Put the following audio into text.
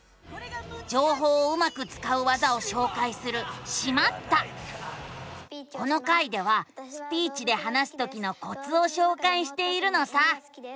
じょうほうをうまくつかう技をしょうかいするこの回ではスピーチで話すときのコツをしょうかいしているのさ。